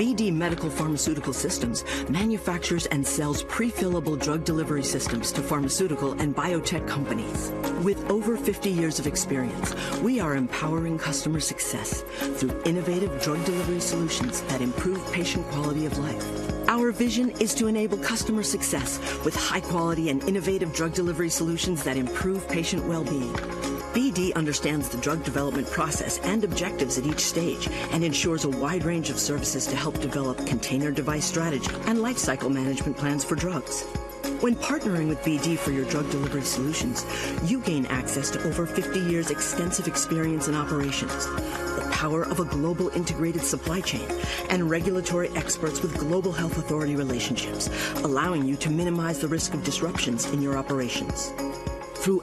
Good morning,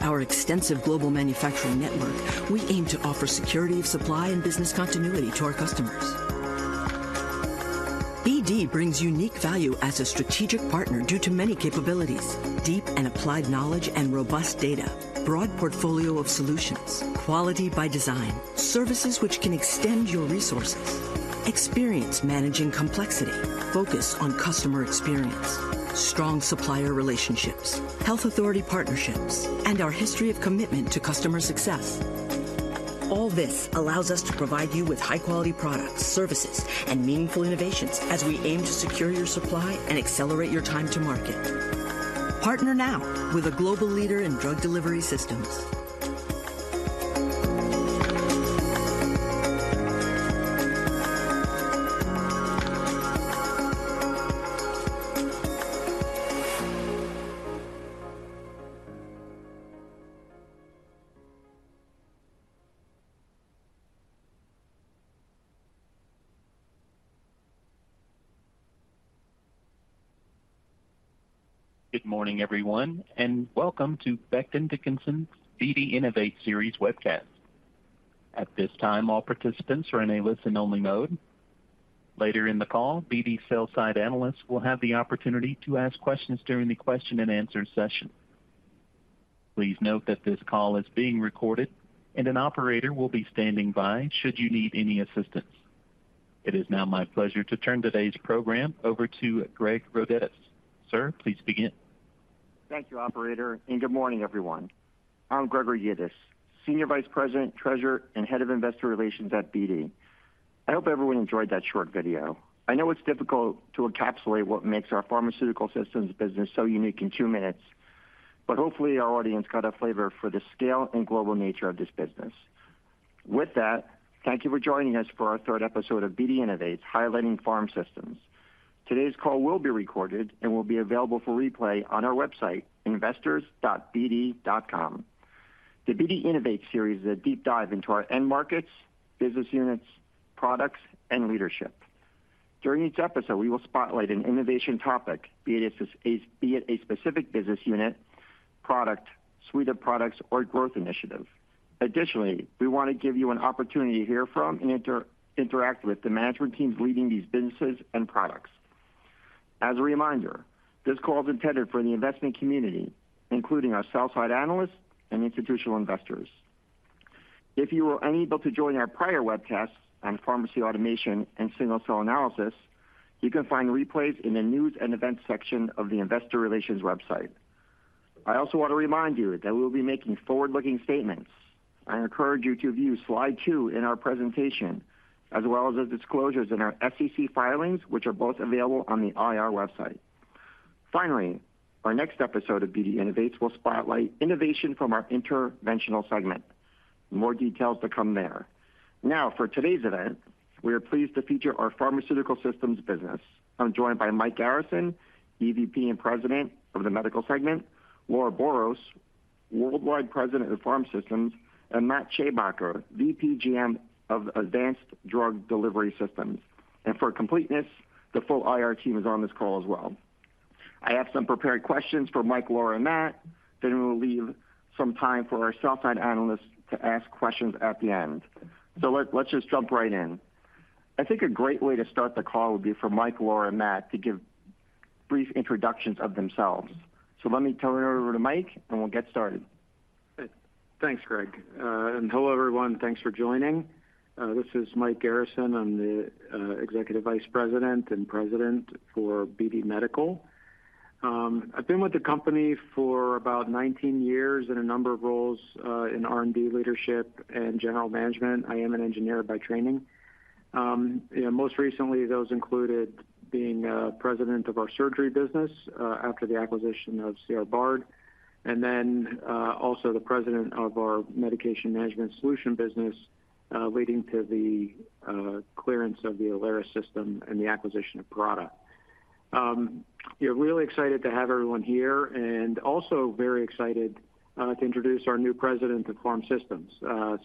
everyone, and welcome to Becton, Dickinson's BD Innovates Series webcast. At this time, all participants are in a listen-only mode. Later in the call, BD sell side analysts will have the opportunity to ask questions during the question-and-answer session. Please note that this call is being recorded, and an operator will be standing by should you need any assistance. It is now my pleasure to turn today's program over to Greg Rodetis. Sir, please begin. Thank you, operator, and good morning, everyone. I'm Greg Rodetis, Senior Vice President, Treasurer, and Head of Investor Relations at BD. I hope everyone enjoyed that short video. I know it's difficult to encapsulate what makes our Pharmaceutical Systems business so unique in two minutes, but hopefully our audience got a flavor for the scale and global nature of this business. With that, thank you for joining us for our third episode of BD Innovates, highlighting Pharm Systems. Today's call will be recorded and will be available for replay on our website, investors.bd.com. The BD Innovates series is a deep dive into our end markets, business units, products, and leadership. During each episode, we will spotlight an innovation topic, be it a specific business unit, product, suite of products, or growth initiative. Additionally, we want to give you an opportunity to hear from and interact with the management teams leading these businesses and products. As a reminder, this call is intended for the investment community, including our sell side analysts and institutional investors. If you were unable to join our prior webcasts on Pharmacy Automation and single-cell analysis, you can find replays in the News and Events section of the Investor Relations website. I also want to remind you that we will be making forward-looking statements. I encourage you to view slide two in our presentation, as well as the disclosures in our SEC filings, which are both available on the IR website. Finally, our next episode of BD Innovates will spotlight innovation from our Interventional segment. More details to come there. Now, for today's event, we are pleased to feature our Pharmaceutical Systems business. I'm joined by Mike Garrison, EVP and President of the Medical segment, Laura Boros, Worldwide President of Pharm Systems, and Matt Schabacker, VP GM of Advanced Drug Delivery Systems. For completeness, the full IR team is on this call as well. I have some prepared questions for Mike, Laura, and Matt, then we will leave some time for our sell side analysts to ask questions at the end. So let's just jump right in. I think a great way to start the call would be for Mike, Laura, and Matt to give brief introductions of themselves. So let me turn it over to Mike, and we'll get started. Thanks, Greg. And hello, everyone. Thanks for joining. This is Mike Garrison. I'm the Executive Vice President and President for BD Medical. I've been with the company for about 19 years in a number of roles in R&D leadership and general management. I am an engineer by training. And most recently, those included being president of our surgery business after the acquisition of C.R. Bard, and then also the president of our medication management solution business, leading to the clearance of the Alaris System and the acquisition of Parata. We're really excited to have everyone here, and also very excited to introduce our new president of Pharm Systems,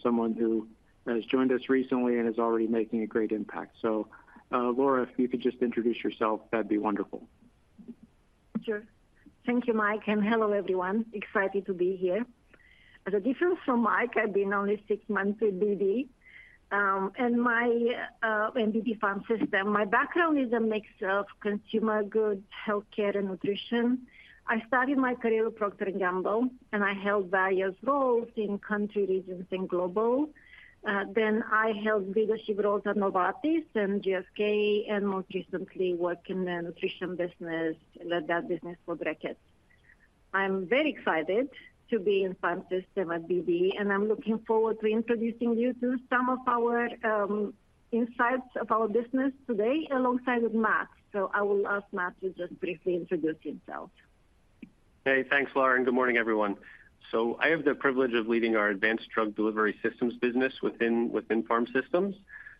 someone who has joined us recently and is already making a great impact. So, Laura, if you could just introduce yourself, that'd be wonderful. Sure. Thank you, Mike, and hello everyone. Excited to be here. The difference from Mike, I've been only six months with BD, and my in BD Pharm System. My background is a mix of consumer goods, healthcare, and nutrition. I started my career at Procter & Gamble, and I held various roles in country, regions, and global. Then I held leadership roles at Novartis and GSK, and most recently worked in the nutrition business, led that business for Reckitt. I'm very excited to be in Pharm Systems at BD, and I'm looking forward to introducing you to some of our insights of our business today, alongside with Matt. So I will ask Matt to just briefly introduce himself. Hey, thanks, Laura, and good morning, everyone. So, I have the privilege of leading our Advanced Drug Delivery Systems business within Pharma Systems.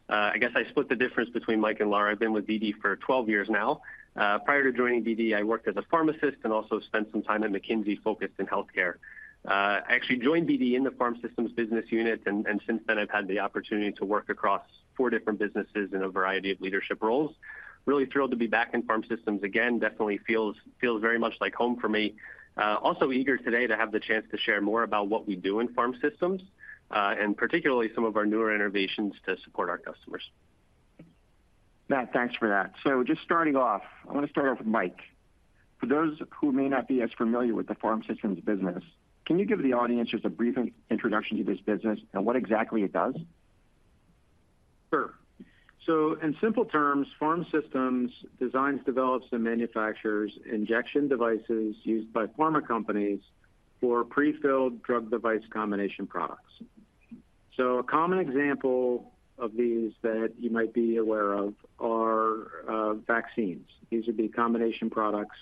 I guess I split the difference between Mike and Laura. I've been with BD for 12 years now. Prior to joining BD, I worked as a pharmacist and also spent some time at McKinsey, focused in healthcare. I actually joined BD in the Pharm Systems business unit, and since then, I've had the opportunity to work across four different businesses in a variety of leadership roles. Really thrilled to be back in Pharm Systems again. Definitely feels very much like home for me. Also eager today to have the chance to share more about what we do in Pharm Systems, and particularly some of our newer innovations to support our customers. Matt, thanks for that. So just starting off, I want to start off with Mike. For those who may not be as familiar with the Pharm Systems business, can you give the audience just a brief introduction to this business and what exactly it does? Sure. So in simple terms, Pharm Systems designs, develops, and manufactures injection devices used by pharma companies for prefilled drug device combination products. So a common example of these that you might be aware of are vaccines. These would be combination products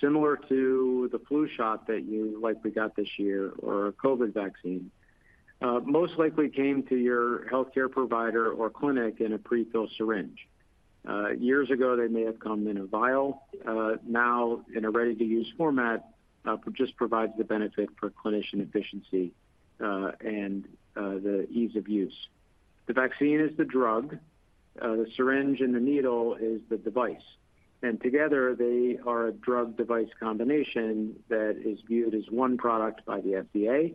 similar to the flu shot that you, like, we got this year, or a COVID vaccine. Most likely came to your healthcare provider or clinic in a prefilled syringe. Years ago, they may have come in a vial, now in a ready-to-use format just provides the benefit for clinician efficiency and the ease of use. The vaccine is the drug. The syringe and the needle is the device, and together, they are a drug device combination that is viewed as one product by the FDA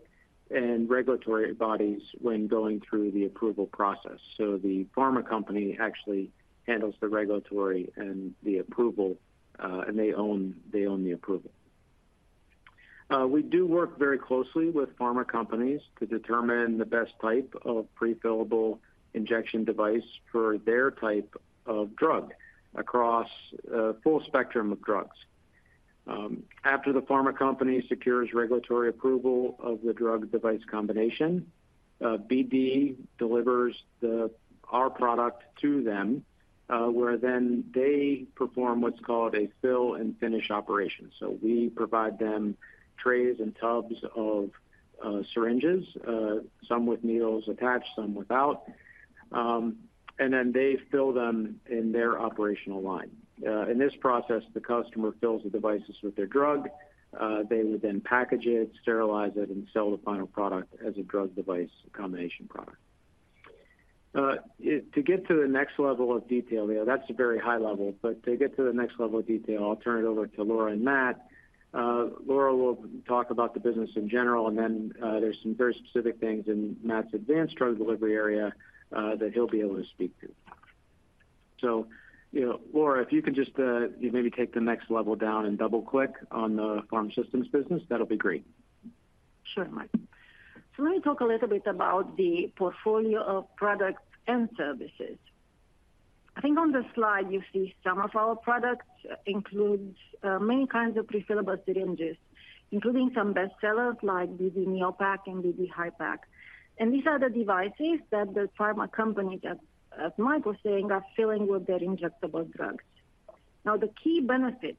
and regulatory bodies when going through the approval process. So the pharma company actually handles the regulatory and the approval, and they own, they own the approval. We do work very closely with pharma companies to determine the best type of prefillable injection device for their type of drug across a full spectrum of drugs. After the pharma company secures regulatory approval of the drug device combination, BD delivers our product to them, where then they perform what's called a fill and finish operation. So we provide them trays and tubs of syringes, some with needles attached, some without, and then they fill them in their operational line. In this process, the customer fills the devices with their drug. They would then package it, sterilize it, and sell the final product as a drug device combination product. To get to the next level of detail, that's a very high level, but to get to the next level of detail, I'll turn it over to Laura and Matt. Laura will talk about the business in general, and then, there's some very specific things in Matt's advanced drug delivery area, that he'll be able to speak to. So, you know, Laura, if you can just, maybe take the next level down and double-click on the Pharm Systems business, that'll be great. Sure, Mike. So let me talk a little bit about the portfolio of products and services. I think on the slide you see some of our products, includes many kinds of prefillable syringes, including some bestsellers like BD Neopak and BD Hypak. And these are the devices that the pharma companies, as Mike was saying, are filling with their injectable drugs. Now, the key benefits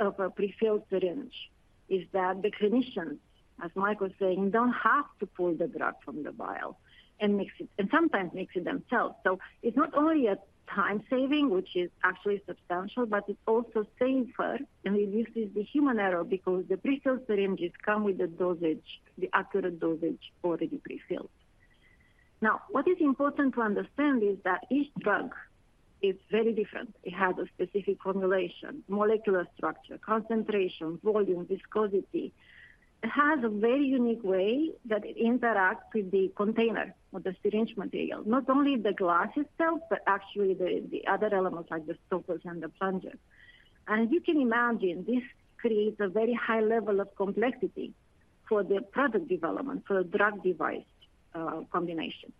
of a prefilled syringe is that the clinicians, as Mike was saying, don't have to pull the drug from the vial and mix it, and sometimes mix it themselves. So it's not only a time saving, which is actually substantial, but it's also safer, and it reduces the human error because the prefilled syringes come with the dosage, the accurate dosage already prefilled. Now, what is important to understand is that each drug is very different. It has a specific formulation, molecular structure, concentration, volume, viscosity. It has a very unique way that it interacts with the container or the syringe material, not only the glass itself, but actually the other elements like the stoppers and the plungers. And you can imagine this creates a very high level of complexity for the product development, for a drug device combination.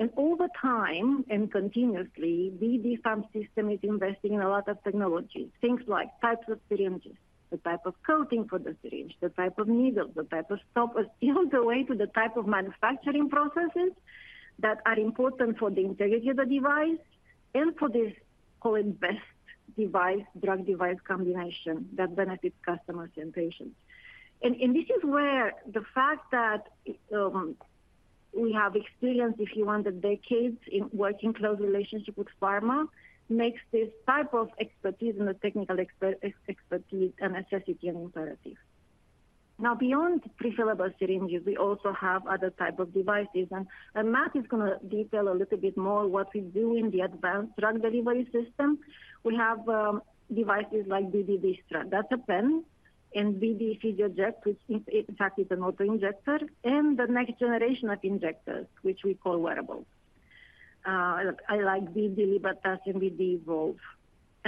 And over time and continuously, BD PharmaSystem is investing in a lot of technology, things like types of syringes, the type of coating for the syringe, the type of needles, the type of stoppers, all the way to the type of manufacturing processes that are important for the integrity of the device and for this whole best device, drug device combination that benefits customers and patients. This is where the fact that we have experience, the decades in working close relationship with pharma, makes this type of expertise and the technical expertise a necessity and imperative. Now, beyond prefillable syringes, we also have other type of devices, and Matt is going to detail a little bit more what we do in the advanced drug delivery system. We have devices like BD Vystra. That's a pen, and BD Physioject, which in fact, is an auto-injector, and the next generation of injectors, which we call wearables. Like BD Libertas and BD Evolve.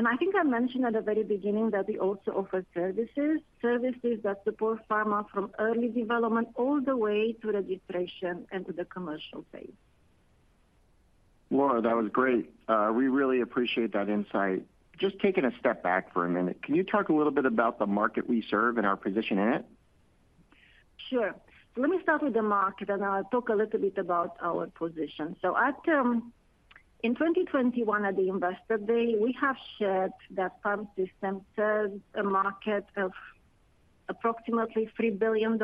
I think I mentioned at the very beginning that we also offer services, services that support pharma from early development all the way to registration and to the commercial phase.... Laura, that was great. We really appreciate that insight. Just taking a step back for a minute, can you talk a little bit about the market we serve and our position in it? Sure. Let me start with the market, and I'll talk a little bit about our position. So at in 2021 at the Investor Day, we have shared that PharmSystems serves a market of approximately $3 billion,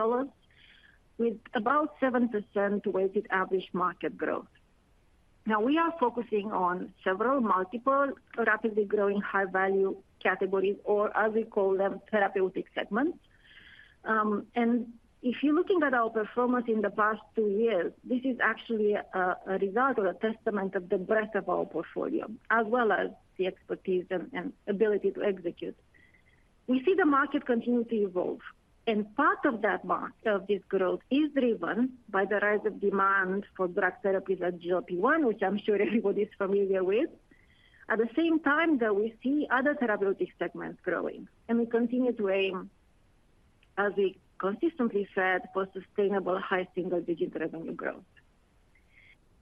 with about 7% weighted average market growth. Now, we are focusing on several multiple, rapidly growing high-value categories, or as we call them, therapeutic segments. And if you're looking at our performance in the past two years, this is actually a result or a testament of the breadth of our portfolio, as well as the expertise and ability to execute. We see the market continue to evolve, and part of that market of this growth is driven by the rise of demand for drug therapies at GLP-1, which I'm sure everybody's familiar with. At the same time, though, we see other therapeutic segments growing, and we continue to aim, as we consistently said, for sustainable high single-digit revenue growth.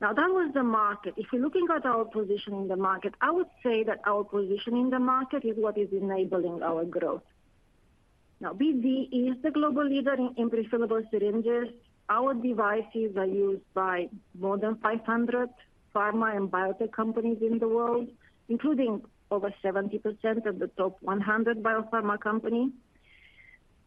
Now, that was the market. If you're looking at our position in the market, I would say that our position in the market is what is enabling our growth. Now, BD is the global leader in prefillable syringes. Our devices are used by more than 500 pharma and biotech companies in the world, including over 70% of the top 100 biopharma company.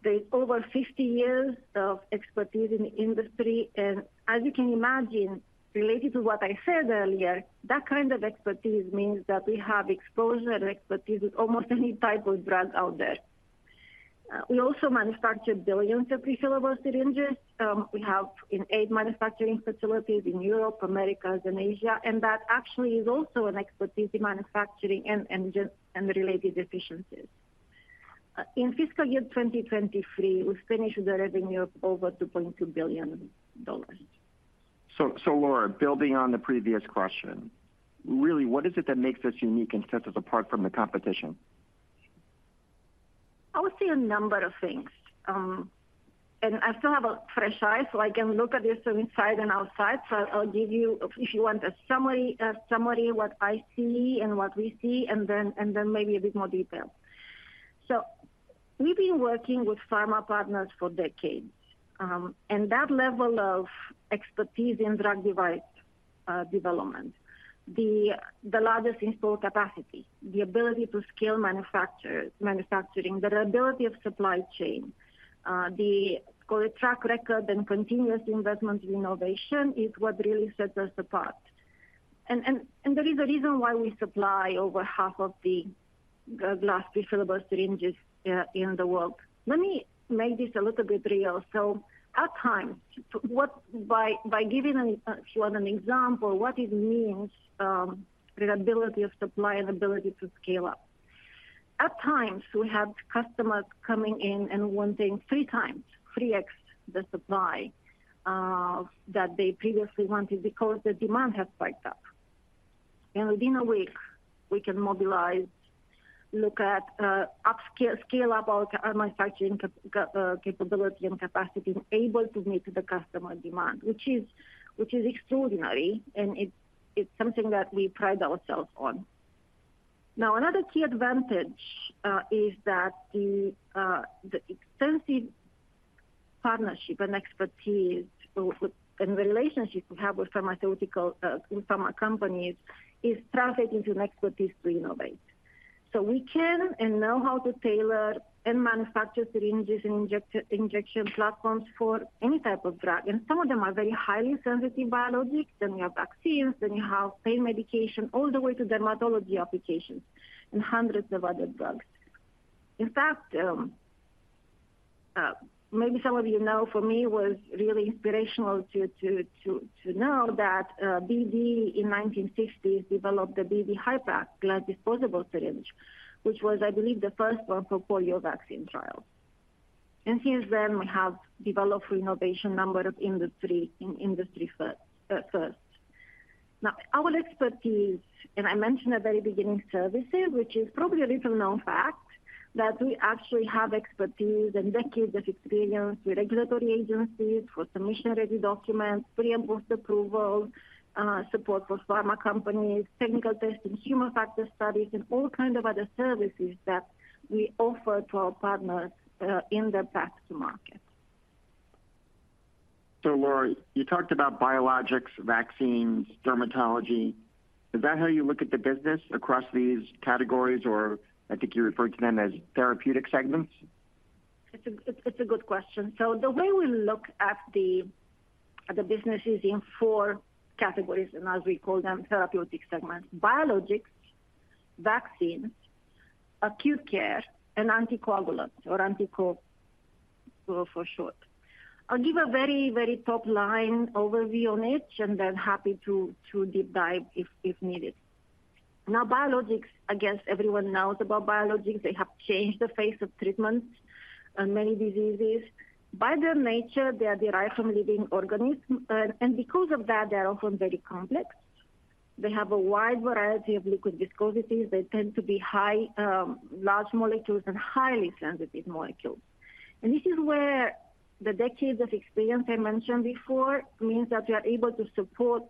There's over 50 years of expertise in the industry, and as you can imagine, related to what I said earlier, that kind of expertise means that we have exposure and expertise with almost any type of drug out there. We also manufacture billions of prefillable syringes. We have eight manufacturing facilities in Europe, Americas, and Asia, and that actually is also an expertise in manufacturing and related efficiencies. In fiscal year 2023, we finished the revenue of over $2.2 billion. So, Laura, building on the previous question, really, what is it that makes us unique and sets us apart from the competition? I would say a number of things. I still have a fresh eye, so I can look at this from inside and outside. So I'll give you, if you want, a summary, what I see and what we see, and then maybe a bit more detail. So we've been working with pharma partners for decades, and that level of expertise in drug device development, the largest install capacity, the ability to scale manufacturing, the reliability of supply chain, the track record and continuous investment in innovation is what really sets us apart. And there is a reason why we supply over half of the glass prefillable syringes in the world. Let me make this a little bit real. So at times, by giving an, if you want an example, what it means, reliability of supply and ability to scale up. At times, we have customers coming in and wanting 3x, 3x, the supply that they previously wanted because the demand has spiked up. And within a week, we can mobilize, look at, scale up our manufacturing capability and capacity to be able to meet the customer demand, which is extraordinary, and it's something that we pride ourselves on. Now, another key advantage is that the extensive partnership and expertise with and relationships we have with pharmaceutical with pharma companies is translated into expertise to innovate. So we can and know how to tailor and manufacture syringes and injection platforms for any type of drug, and some of them are very highly sensitive biologics, then you have vaccines, then you have pain medication, all the way to dermatology applications and hundreds of other drugs. In fact, maybe some of you know, for me, it was really inspirational to know that BD in the 1960s developed the BD Hypak glass disposable syringe, which was, I believe, the first one for polio vaccine trial. And since then, we have developed innovation, number of industry, in industry first, first. Now, our expertise, and I mentioned at the very beginning, services, which is probably a little-known fact, that we actually have expertise and decades of experience with regulatory agencies for submission-ready documents, pre and post-approval, support for pharma companies, technical testing, human factor studies, and all kind of other services that we offer to our partners in their path to market. So, Laura, you talked about biologics, vaccines, dermatology. Is that how you look at the business across these categories, or I think you referred to them as therapeutic segments? It's a good question. So the way we look at the business is in four categories, and as we call them, therapeutic segments, biologics, vaccines, acute care, and anticoagulants, or anticoag for short. I'll give a very top-line overview on it, and then happy to deep dive if needed. Now, biologics, I guess everyone knows about biologics. They have changed the face of treatment on many diseases. By their nature, they are derived from living organisms, and because of that, they are often very complex. They have a wide variety of liquid viscosities. They tend to be high large molecules and highly sensitive molecules. And this is where-... The decades of experience I mentioned before means that we are able to support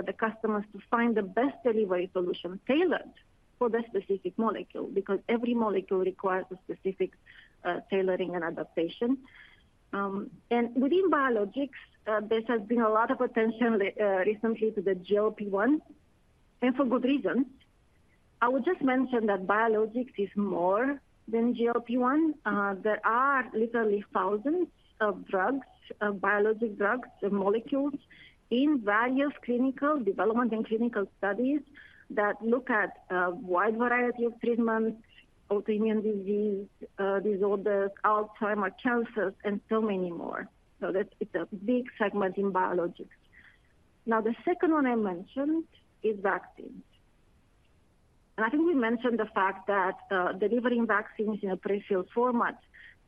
the customers to find the best delivery solution tailored for the specific molecule, because every molecule requires a specific tailoring and adaptation. Within biologics, there has been a lot of attention lately, recently to the GLP-1, and for good reason. I would just mention that biologics is more than GLP-1. There are literally thousands of drugs, of biologic drugs, the molecules in various clinical development and clinical studies that look at a wide variety of treatments, autoimmune disease disorders, Alzheimer's, Cancers, and so many more. So that's, it's a big segment in biologics. Now, the second one I mentioned is vaccines. I think we mentioned the fact that delivering vaccines in a prefilled format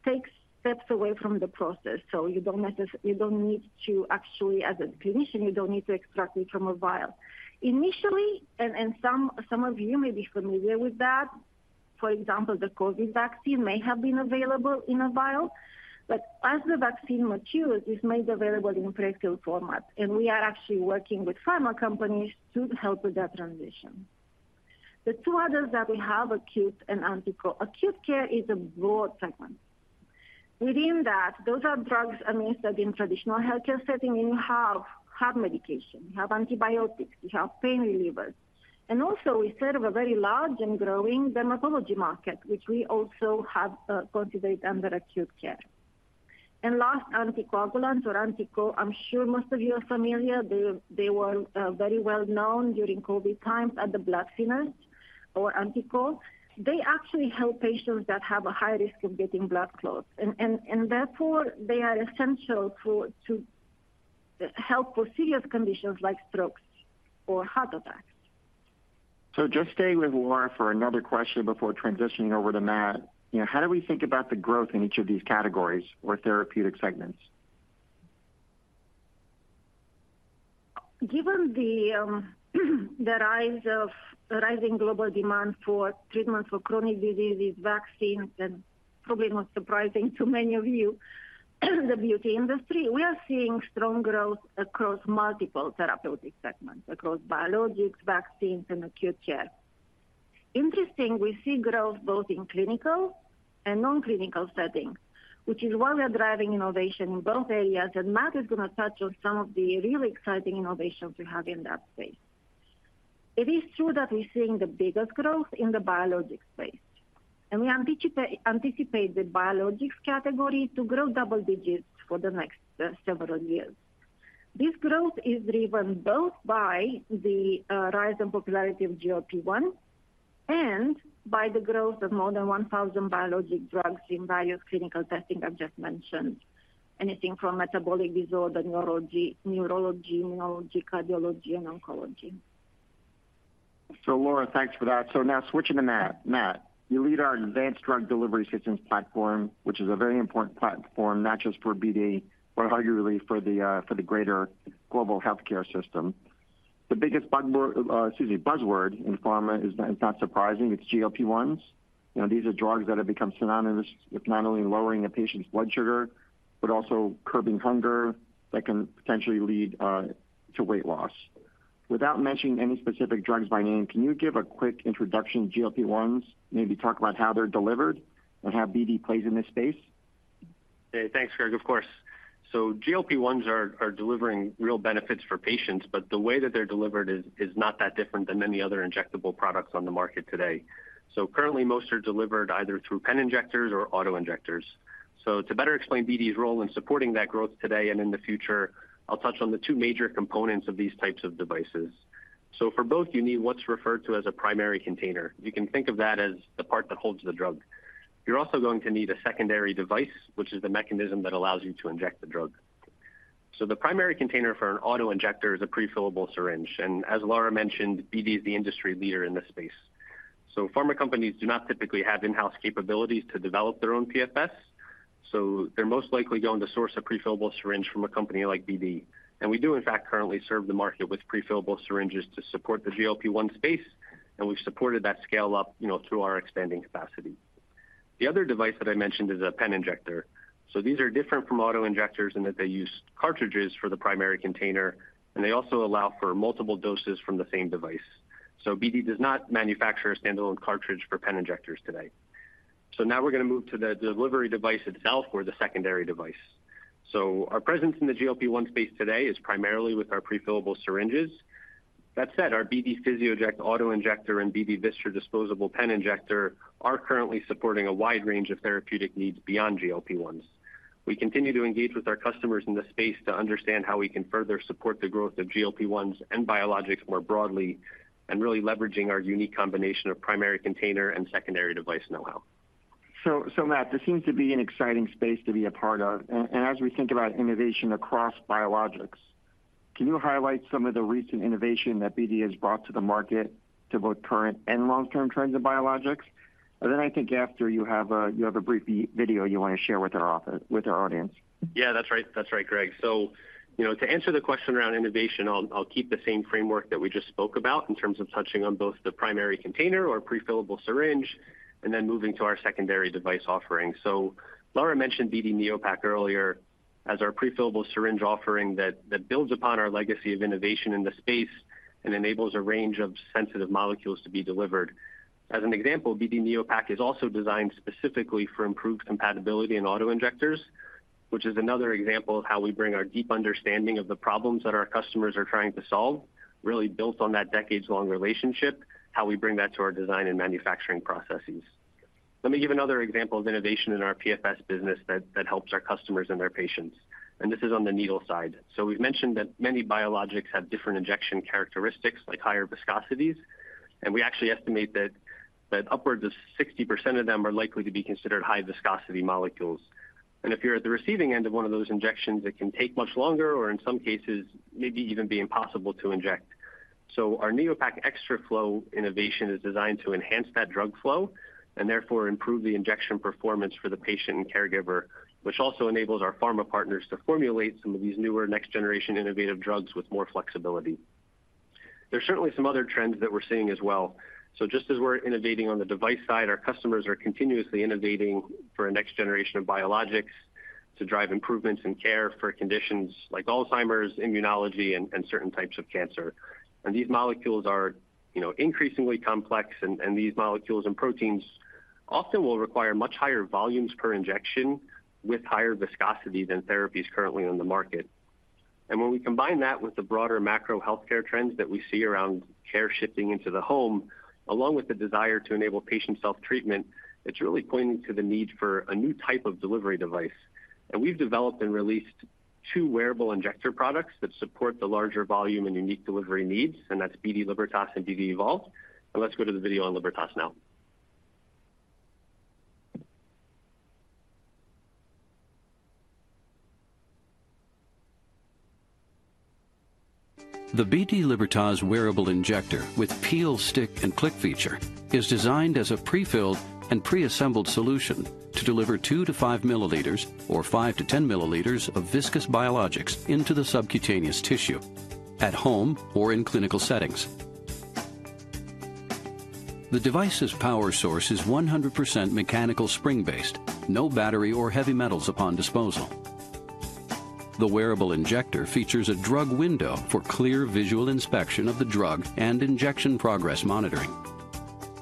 takes steps away from the process. So you don't need to actually, as a clinician, you don't need to extract it from a vial. Initially, and some of you may be familiar with that. For example, the COVID vaccine may have been available in a vial, but as the vaccine matures, it's made available in prefilled format, and we are actually working with pharma companies to help with that transition. The two others that we have, acute and anticoag. Acute care is a broad segment. Within that, those are drugs administered in traditional healthcare setting, and you have heart medication, you have antibiotics, you have pain relievers. And also we serve a very large and growing dermatology market, which we also have considered under acute care. And last, anticoagulants or anticoag. I'm sure most of you are familiar. They were very well known during COVID times as the blood thinners or anticoag. They actually help patients that have a high risk of getting blood clots, and therefore, they are essential for to help with serious conditions like strokes or heart attacks. Just stay with Laura for another question before transitioning over to Matt. You know, how do we think about the growth in each of these categories or therapeutic segments? Given the rise of rising global demand for treatment for chronic diseases, vaccines, and probably not surprising to many of you, the beauty industry, we are seeing strong growth across multiple therapeutic segments, across biologics, vaccines, and acute care. Interesting, we see growth both in clinical and non-clinical settings, which is why we are driving innovation in both areas, and Matt is going to touch on some of the really exciting innovations we have in that space. It is true that we're seeing the biggest growth in the biologics space, and we anticipate the biologics category to grow double digits for the next several years. This growth is driven both by the rise in popularity of GLP-1 and by the growth of more than 1,000 biologic drugs in various clinical testing I've just mentioned. Anything from metabolic disorder, neurology, immunology, cardiology, and oncology. So, Laura, thanks for that. So now switching to Matt. Matt, you lead our Advanced Drug Delivery Systems platform, which is a very important platform, not just for BD, but arguably for the greater global healthcare system. The biggest buzzword in pharma. It's not surprising, it's GLP-1. You know, these are drugs that have become synonymous with not only lowering a patient's blood sugar, but also curbing hunger that can potentially lead to weight loss. Without mentioning any specific drugs by name, can you give a quick introduction to GLP-1s, maybe talk about how they're delivered and how BD plays in this space? Hey, thanks, Greg. Of course. So GLP-1s are delivering real benefits for patients, but the way that they're delivered is not that different than many other injectable products on the market today. So currently, most are delivered either through pen injectors or auto injectors. So to better explain BD's role in supporting that growth today and in the future, I'll touch on the two major components of these types of devices. So for both, you need what's referred to as a primary container. You can think of that as the part that holds the drug. You're also going to need a secondary device, which is the mechanism that allows you to inject the drug. So the primary container for an auto injector is a prefillable syringe, and as Laura mentioned, BD is the industry leader in this space. Pharma companies do not typically have in-house capabilities to develop their own PFS, so they're most likely going to source a prefillable syringe from a company like BD. We do, in fact, currently serve the market with prefillable syringes to support the GLP-1 space, and we've supported that scale-up, you know, through our expanding capacity. The other device that I mentioned is a Pen Injector. These are different from auto injectors in that they use cartridges for the primary container, and they also allow for multiple doses from the same device. BD does not manufacture a standalone cartridge for pen injectors today. Now we're going to move to the delivery device itself or the secondary device. Our presence in the GLP-1 space today is primarily with our prefillable syringes. That said, our BD Physioject auto injector and BD Vystra disposable pen injector are currently supporting a wide range of therapeutic needs beyond GLP-1s. We continue to engage with our customers in this space to understand how we can further support the growth of GLP-1s and biologics more broadly, and really leveraging our unique combination of primary container and secondary device know-how. So, Matt, this seems to be an exciting space to be a part of. And as we think about innovation across biologics, can you highlight some of the recent innovation that BD has brought to the market to both current and long-term trends in biologics? And then I think after you have a brief video you want to share with our audience. Yeah, that's right. That's right, Greg. So, you know, to answer the question around innovation, I'll, I'll keep the same framework that we just spoke about in terms of touching on both the primary container or prefillable syringe, and then moving to our secondary device offering. So Laura mentioned BD Neopak earlier, as our prefillable syringe offering that, that builds upon our legacy of innovation in the space and enables a range of sensitive molecules to be delivered. As an example, BD Neopak is also designed specifically for improved compatibility in auto injectors, which is another example of how we bring our deep understanding of the problems that our customers are trying to solve, really built on that decades-long relationship, how we bring that to our design and manufacturing processes. Let me give another example of innovation in our PFS business that helps our customers and their patients, and this is on the needle side. So, we've mentioned that many biologics have different injection characteristics, like higher viscosities, and we actually estimate that upwards of 60% of them are likely to be considered high viscosity molecules. And if you're at the receiving end of one of those injections, it can take much longer, or in some cases, maybe even be impossible to inject. So, our Neopak XtraFlow innovation is designed to enhance that drug flow and therefore improve the injection performance for the patient and caregiver, which also enables our pharma partners to formulate some of these newer next-generation innovative drugs with more flexibility. There are certainly some other trends that we're seeing as well. So just as we're innovating on the device side, our customers are continuously innovating for a next generation of biologics to drive improvements in care for conditions like Alzheimer's, immunology, and, and certain types of cancer. And these molecules are, you know, increasingly complex, and, and these molecules and proteins often will require much higher volumes per injection with higher viscosity than therapies currently on the market. And when we combine that with the broader macro healthcare trends that we see around care shifting into the home, along with the desire to enable patient self-treatment, it's really pointing to the need for a new type of delivery device. And we've developed and released two wearable injector products that support the larger volume and unique delivery needs, and that's BD Libertas and BD Evolve. And let's go to the video on Libertas now. The BD Libertas wearable injector with peel, stick, and click feature is designed as a prefilled and preassembled solution to deliver 2 mL -5 mL or 5 mL -10 mL of viscous biologics into the subcutaneous tissue, at home or in clinical settings. The device's power source is 100% mechanical spring-based, no battery or heavy metals upon disposal. The wearable injector features a drug window for clear visual inspection of the drug and injection progress monitoring.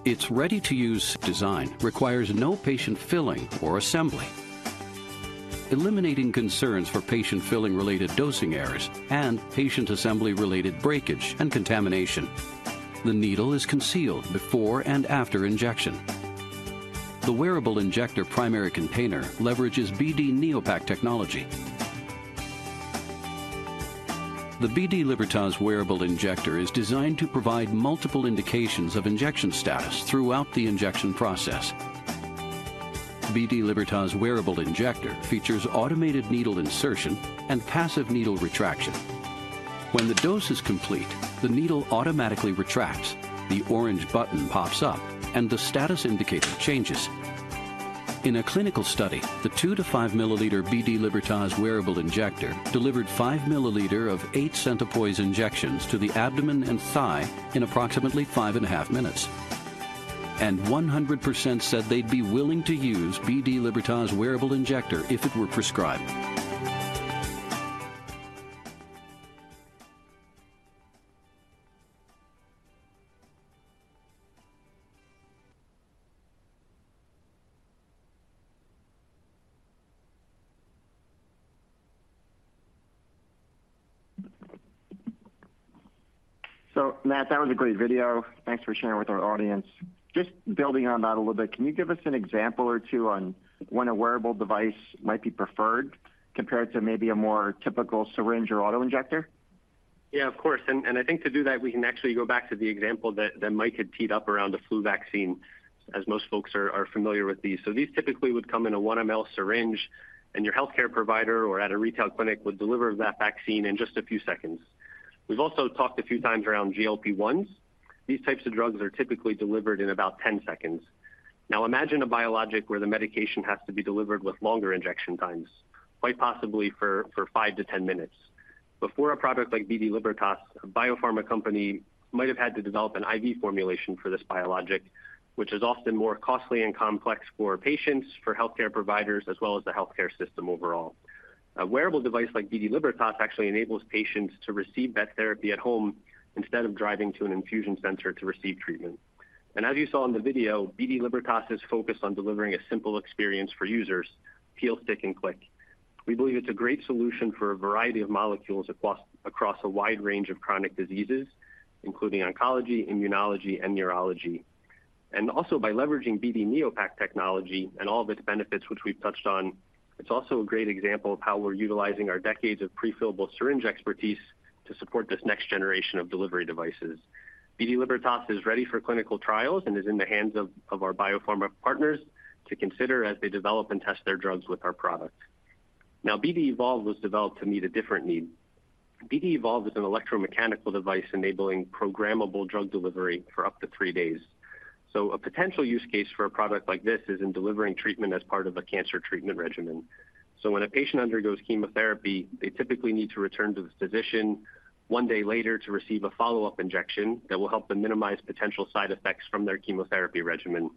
Its ready-to-use design requires no patient filling or assembly, eliminating concerns for patient filling-related dosing errors and patient assembly-related breakage and contamination. The needle is concealed before and after injection. The wearable injector primary container leverages BD Neopak technology. The BD Libertas wearable injector is designed to provide multiple indications of injection status throughout the injection process. BD Libertas wearable injector features automated needle insertion and passive needle retraction. When the dose is complete, the needle automatically retracts, the orange button pops up, and the status indicator changes. In a clinical study, the 2 mL to 5 mL BD Libertas wearable injector delivered 5 mL of 8 cP injections to the abdomen and thigh in approximately 5.5 minutes. 100% said they'd be willing to use BD Libertas wearable injector if it were prescribed. Matt, that was a great video. Thanks for sharing with our audience. Just building on that a little bit, can you give us an example or two on when a wearable device might be preferred compared to maybe a more typical syringe or auto injector? Yeah, of course. And I think to do that, we can actually go back to the example that Mike had teed up around the flu vaccine, as most folks are familiar with these. So these typically would come in a 1 mL syringe, and your healthcare provider or at a retail clinic would deliver that vaccine in just a few seconds. We've also talked a few times around GLP-1. These types of drugs are typically delivered in about 10 seconds. Now, imagine a biologic where the medication has to be delivered with longer injection times, quite possibly for 5-10 minutes. Before a product like BD Libertas, a biopharma company might have had to develop an IV formulation for this biologic, which is often more costly and complex for patients, for healthcare providers, as well as the healthcare system overall. A wearable device like BD Libertas actually enables patients to receive that therapy at home instead of driving to an infusion center to receive treatment. As you saw in the video, BD Libertas is focused on delivering a simple experience for users, peel, stick, and click. We believe it's a great solution for a variety of molecules across a wide range of chronic diseases, including oncology, immunology, and neurology. Also by leveraging BD Neopak technology and all of its benefits, which we've touched on, it's also a great example of how we're utilizing our decades of prefillable syringe expertise to support this next generation of delivery devices. BD Libertas is ready for clinical trials and is in the hands of our biopharma partners to consider as they develop and test their drugs with our product. Now, BD Evolve was developed to meet a different need. BD Evolve is an electromechanical device enabling programmable drug delivery for up to three days. A potential use case for a product like this is in delivering treatment as part of a cancer treatment regimen. When a patient undergoes chemotherapy, they typically need to return to the physician one day later to receive a follow-up injection that will help them minimize potential side effects from their chemotherapy regimen....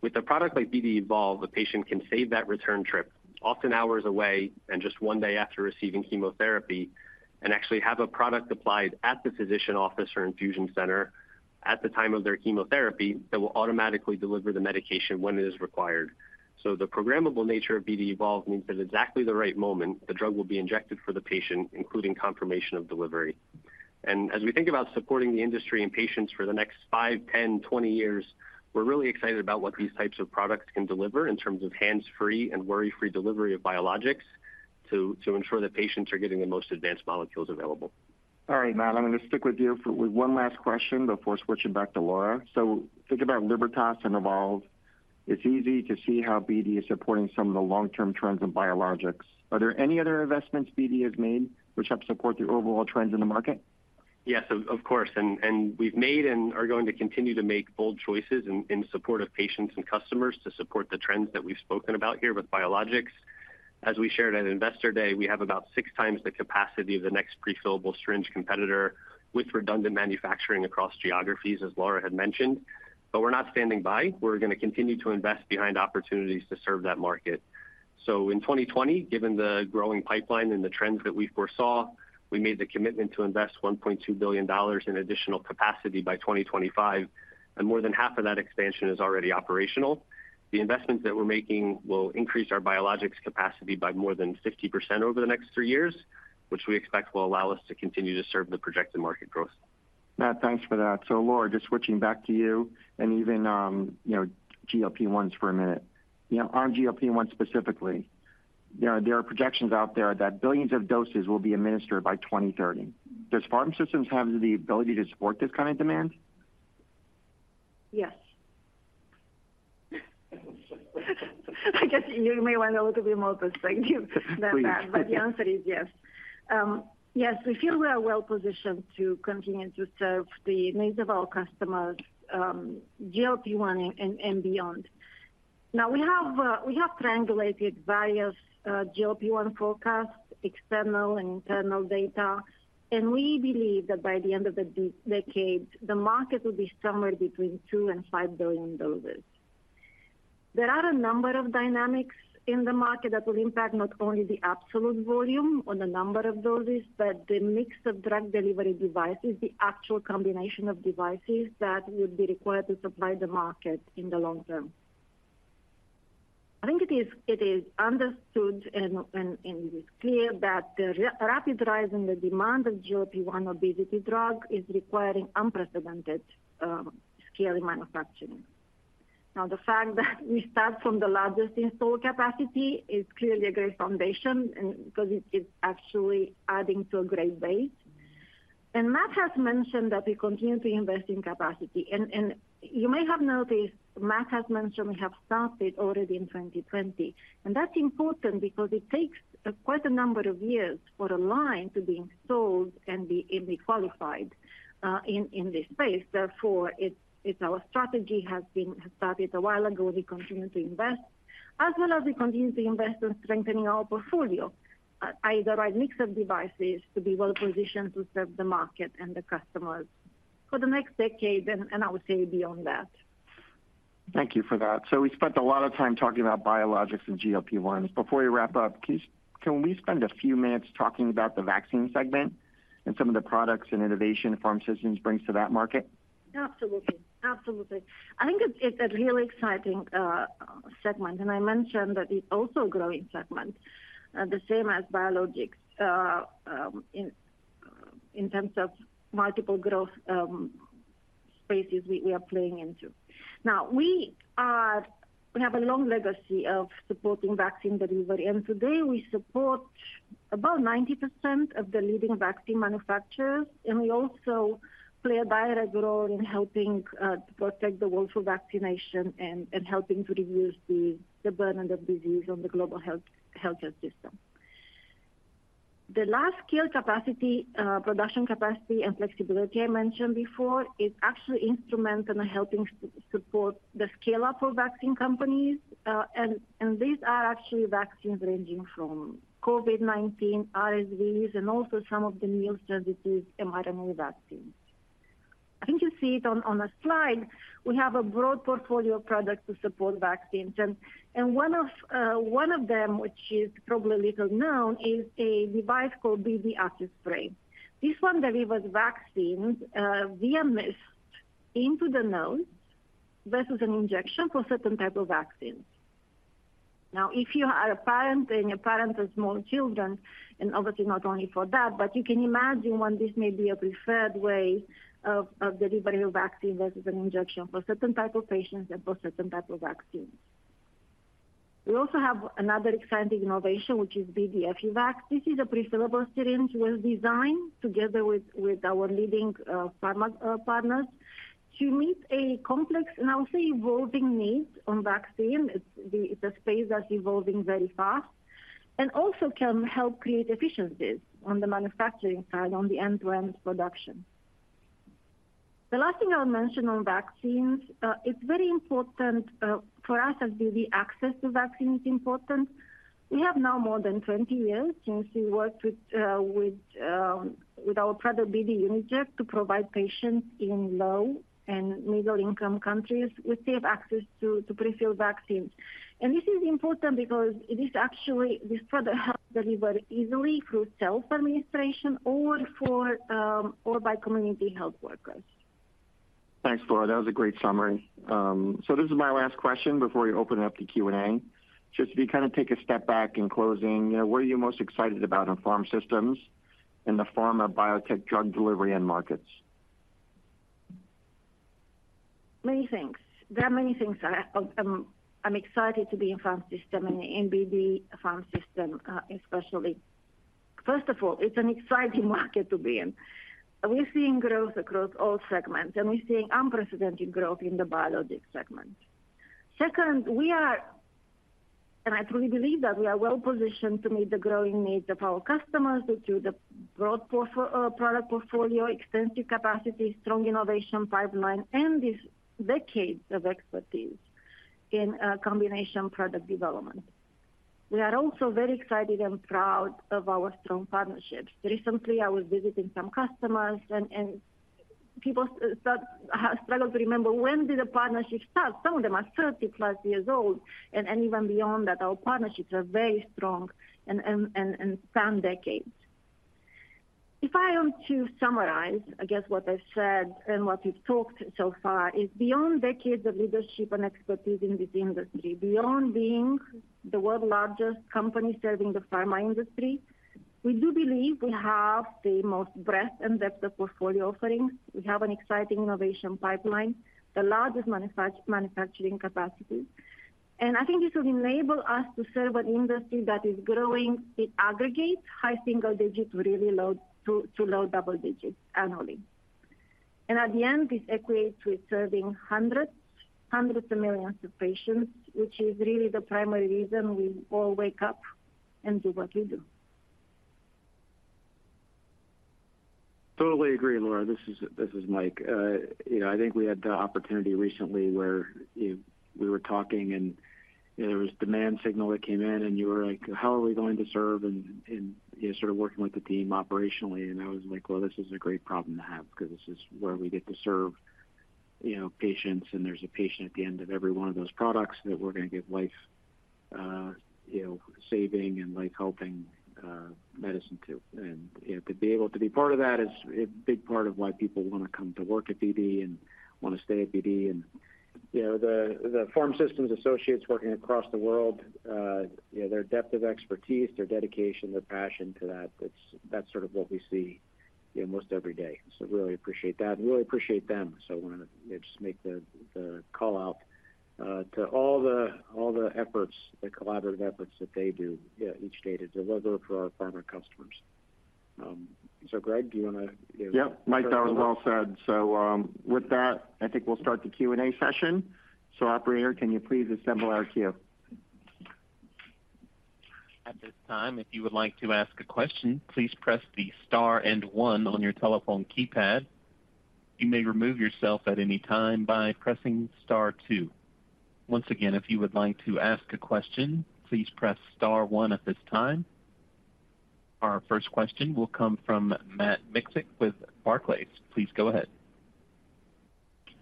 with a product like BD Evolve, a patient can save that return trip, often hours away, and just one day after receiving chemotherapy, and actually have a product applied at the physician office or infusion center at the time of their chemotherapy, that will automatically deliver the medication when it is required. So the programmable nature of BD Evolve means at exactly the right moment, the drug will be injected for the patient, including confirmation of delivery. And as we think about supporting the industry and patients for the next five, 10, 20 years, we're really excited about what these types of products can deliver in terms of hands-free and worry-free delivery of biologics, to, to ensure that patients are getting the most advanced molecules available. All right, Matt, I'm going to stick with you for one last question before switching back to Laura. So think about Libertas and Evolve. It's easy to see how BD is supporting some of the long-term trends in biologics. Are there any other investments BD has made which help support the overall trends in the market? Yes, of course, and we've made and are going to continue to make bold choices in support of patients and customers to support the trends that we've spoken about here with biologics. As we shared at Investor Day, we have about six times the capacity of the next prefillable syringe competitor, with redundant manufacturing across geographies, as Laura had mentioned. But we're not standing by. We're going to continue to invest behind opportunities to serve that market. So in 2020, given the growing pipeline and the trends that we foresaw, we made the commitment to invest $1.2 billion in additional capacity by 2025, and more than half of that expansion is already operational. The investments that we're making will increase our biologics capacity by more than 50% over the next three years, which we expect will allow us to continue to serve the projected market growth. Matt, thanks for that. So, Laura, just switching back to you and even, you know, GLP-1s for a minute. You know, on GLP-1s specifically, there are projections out there that billions of doses will be administered by 2030. Does Pharmaceutical Systems have the ability to support this kind of demand? Yes. I guess you may want a little bit more perspective than that- Please. but the answer is yes. Yes, we feel we are well positioned to continue to serve the needs of our customers, GLP-1 and beyond. Now, we have triangulated various GLP-1 forecasts, external and internal data, and we believe that by the end of the decade, the market will be somewhere between 2 and 5 billion doses. There are a number of dynamics in the market that will impact not only the absolute volume or the number of doses, but the mix of drug delivery devices, the actual combination of devices that would be required to supply the market in the long term. I think it is understood and it is clear that the rapid rise in the demand of GLP-1 obesity drug is requiring unprecedented scale in manufacturing. Now, the fact that we start from the largest installed capacity is clearly a great foundation, and because it is actually adding to a great base. Matt has mentioned that we continue to invest in capacity. And you may have noticed, Matt has mentioned we have started already in 2020, and that's important because it takes quite a number of years for a line to be installed and be qualified in this space. Therefore, it's our strategy has started a while ago. We continue to invest, as well as we continue to invest in strengthening our portfolio, either a mix of devices to be well positioned to serve the market and the customers for the next decade, and I would say beyond that. Thank you for that. So we spent a lot of time talking about biologics and GLP-1s. Before we wrap up, please, can we spend a few minutes talking about the vaccine segment and some of the products and innovation PharmaSystem brings to that market? Absolutely. Absolutely. I think it's a really exciting segment, and I mentioned that it's also a growing segment, the same as biologics, in terms of multiple growth spaces we are playing into. Now, we have a long legacy of supporting vaccine delivery, and today we support about 90% of the leading vaccine manufacturers. And we also play a direct role in helping to protect the world through vaccination and helping to reduce the burden of disease on the global healthcare system. The large-scale capacity, production capacity and flexibility I mentioned before, is actually instrumental in helping support the scale-up of vaccine companies, and these are actually vaccines ranging from COVID-19, RSVs, and also some of the newer strategies, mRNA vaccines. I think you see it on the slide. We have a broad portfolio of products to support vaccines, and one of them, which is probably little known, is a device called BD Accuspray. This one delivers vaccines via mist into the nose versus an injection for certain type of vaccines. Now, if you are a parent and you're a parent of small children, and obviously not only for that, but you can imagine when this may be a preferred way of delivering a vaccine versus an injection for certain type of patients and for certain type of vaccines. We also have another exciting innovation, which is BD Effivax. This is a prefillable syringe well-designed together with our leading pharma partners, to meet a complex, and I'll say, evolving needs on vaccine. It's a space that's evolving very fast and also can help create efficiencies on the manufacturing side, on the end-to-end production. The last thing I'll mention on vaccines, it's very important for us as BD access to vaccine is important. We have now more than 20 years since we worked with our product BD Uniject to provide patients in low and middle-income countries with safe access to prefilled vaccines. And this is important because it is actually, this product helps deliver easily through self-administration or by community health workers. Thanks, Laura. That was a great summary. So this is my last question before we open it up to Q&A. Just if you kind of take a step back in closing, what are you most excited about in Pharm Systems, in the form of biotech drug delivery and markets? Many things. There are many things I, I'm excited to be in Pharmaceutical Systems and in BD Pharmaceutical Systems, especially. First of all, it's an exciting market to be in. We're seeing growth across all segments, and we're seeing unprecedented growth in the biologics segment. Second, we are, and I truly believe that we are well-positioned to meet the growing needs of our customers through the broad product portfolio, extensive capacity, strong innovation pipeline, and this decades of expertise in combination product development. We are also very excited and proud of our strong partnerships. Recently, I was visiting some customers, and people start to remember when did the partnership start? Some of them are 30+ years old, and even beyond that, our partnerships are very strong and span decades. If I am to summarize, I guess, what I've said and what we've talked so far, is beyond decades of leadership and expertise in this industry, beyond being the world's largest company serving the pharma industry, we do believe we have the most breadth and depth of portfolio offerings. We have an exciting innovation pipeline, the largest manufacturing capacity, and I think this will enable us to serve an industry that is growing in aggregate, high single digits, really low to low double digits annually. And at the end, this equates to serving hundreds, hundreds of millions of patients, which is really the primary reason we all wake up and do what we do. Totally agree, Laura. This is, this is Mike. You know, I think we had the opportunity recently where you, we were talking and, you know, there was demand signal that came in, and you were like, "How are we going to serve?" And, and you started working with the team operationally, and I was like, "Well, this is a great problem to have," because this is where we get to serve, you know, patients, and there's a patient at the end of every one of those products that we're going to give life, you know, saving and life-helping, medicine to. You know, to be able to be part of that is a big part of why people want to come to work at BD and want to stay at BD. You know, the Pharmaceutical Systems associates working across the world, you know, their depth of expertise, their dedication, their passion to that, that's sort of what we see, you know, almost every day. So really appreciate that, and really appreciate them. So I want to just make the call-out to all the efforts, the collaborative efforts that they do, yeah, each day to deliver for our pharma customers. So, Greg, do you want to- Yeah, Mike, that was well said. So, with that, I think we'll start the Q&A session. So, Operator, can you please assemble our queue? At this time, if you would like to ask a question, please press the star and one on your telephone keypad. You may remove yourself at any time by pressing star two. Once again, if you would like to ask a question, please press star one at this time. Our first question will come from Matt Miksic with Barclays. Please go ahead.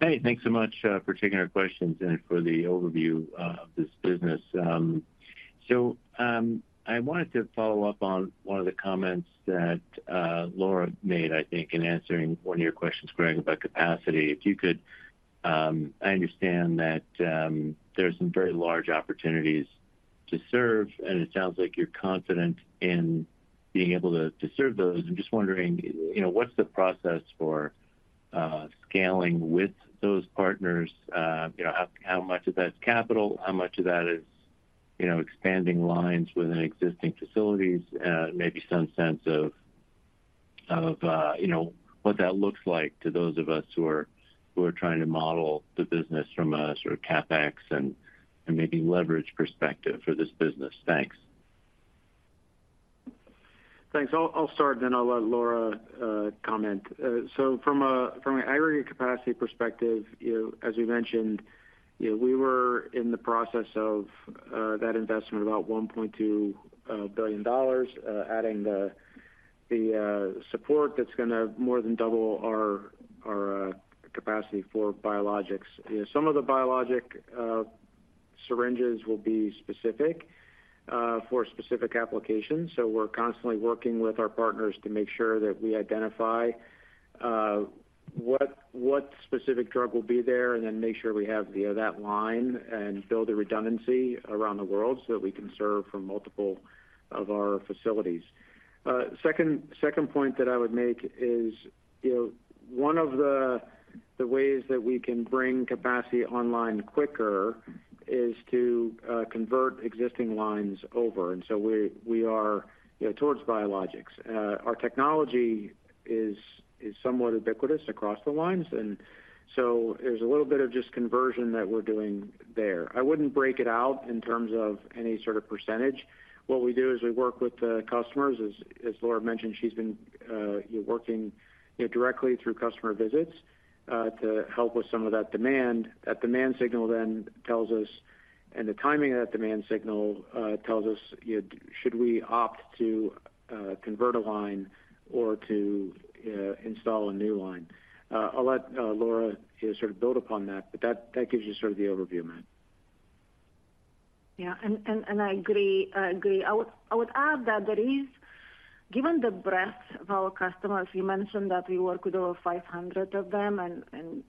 Hey, thanks so much for taking our questions and for the overview of this business. I wanted to follow up on one of the comments that Laura made, I think, in answering one of your questions, Greg, about capacity. If you could, I understand that there's some very large opportunities to serve, and it sounds like you're confident in being able to serve those. I'm just wondering, you know, what's the process for scaling with those partners? You know, how much of that is capital, how much of that is, you know, expanding lines within existing facilities? Maybe some sense of, you know, what that looks like to those of us who are trying to model the business from a sort of CapEx and maybe leverage perspective for this business. Thanks. Thanks. I'll start, then I'll let Laura comment. So from an aggregate capacity perspective, you know, as we mentioned, you know, we were in the process of that investment, about $1.2 billion, adding the support that's going to more than double our capacity for biologics. Some of the biologic syringes will be specific for specific applications. So we're constantly working with our partners to make sure that we identify what specific drug will be there, and then make sure we have, you know, that line and build a redundancy around the world so that we can serve from multiple of our facilities. Second, second point that I would make is, you know, one of the ways that we can bring capacity online quicker is to convert existing lines over, and so we are, you know, towards biologics. Our technology is somewhat ubiquitous across the lines, and so there's a little bit of just conversion that we're doing there. I wouldn't break it out in terms of any sort of percentage. What we do is we work with the customers. As Laura mentioned, she's been working, you know, directly through customer visits to help with some of that demand. That demand signal then tells us, and the timing of that demand signal tells us, should we opt to convert a line or to install a new line? I'll let Laura sort of build upon that, but that, that gives you sort of the overview, Matt. Yeah, and I agree, I agree. I would add that there is, given the breadth of our customers, you mentioned that we work with over 500 of them and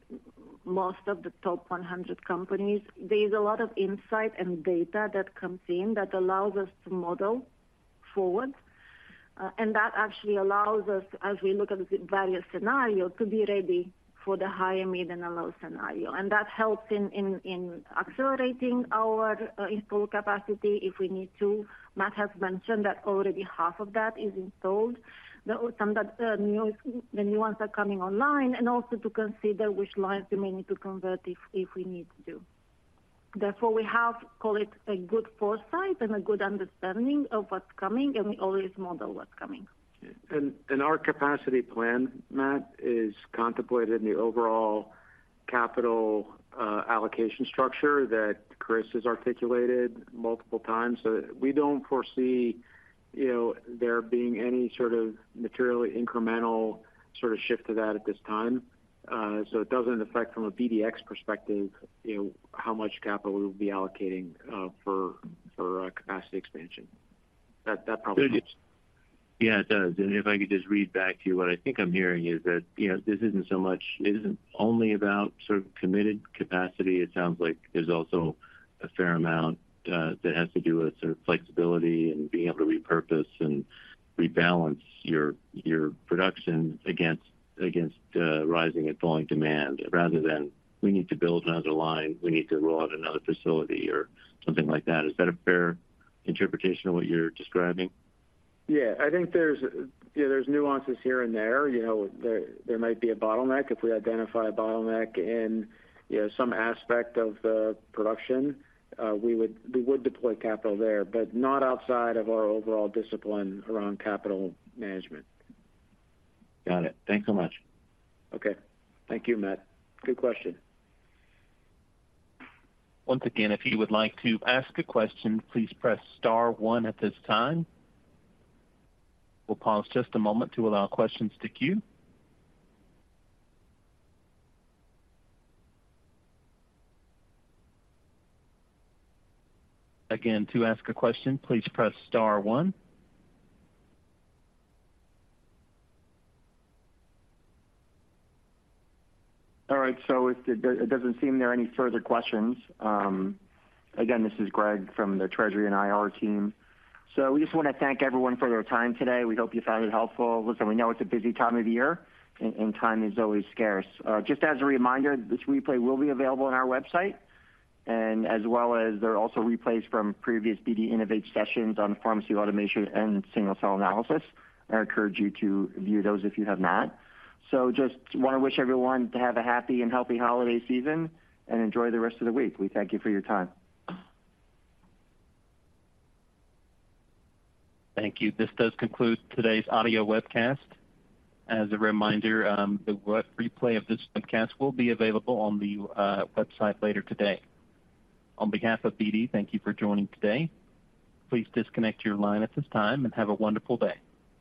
most of the top 100 companies, there is a lot of insight and data that comes in that allows us to model forward. And that actually allows us, as we look at the various scenarios, to be ready for the higher, mid, and the low scenario. And that helps in accelerating our install capacity, if we need to. Matt has mentioned that already half of that is installed, the new ones are coming online, and also to consider which lines we may need to convert if we need to do. Therefore, we have, call it a good foresight and a good understanding of what's coming, and we always model what's coming. And our capacity plan, Matt, is contemplated in the overall capital allocation structure that Chris has articulated multiple times. So we don't foresee, you know, there being any sort of materially incremental sort of shift to that at this time. So it doesn't affect from a BDX perspective, you know, how much capital we'll be allocating for capacity expansion. That probably- Yeah, it does. And if I could just read back to you, what I think I'm hearing is that, you know, this isn't so much, it isn't only about sort of committed capacity. It sounds like there's also a fair amount that has to do with sort of flexibility and being able to repurpose and rebalance your production against rising and falling demand, rather than we need to build another line, we need to roll out another facility or something like that. Is that a fair interpretation of what you're describing? Yeah, I think there's, you know, there's nuances here and there. You know, there might be a bottleneck. If we identify a bottleneck in, you know, some aspect of the production, we would deploy capital there, but not outside of our overall discipline around capital management. Got it. Thanks so much. Okay. Thank you, Matt. Good question. Once again, if you would like to ask a question, please press star one at this time. We'll pause just a moment to allow questions to queue. Again, to ask a question, please press star one. All right, so it doesn't seem there are any further questions. Again, this is Greg from the Treasury and IR team. So we just want to thank everyone for their time today. We hope you found it helpful. Listen, we know it's a busy time of the year and time is always scarce. Just as a reminder, this replay will be available on our website, and as well as there are also replays from previous BD Innovate sessions on pharmacy automation and single cell analysis. I encourage you to view those if you have not. So just want to wish everyone to have a happy and healthy holiday season and enjoy the rest of the week. We thank you for your time. Thank you. This does conclude today's audio webcast. As a reminder, the replay of this webcast will be available on the website later today. On behalf of BD, thank you for joining today. Please disconnect your line at this time and have a wonderful day.